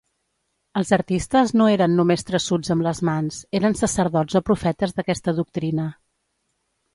Els artistes no eren només traçuts amb les mans; eren sacerdots o profetes d'aquesta doctrina.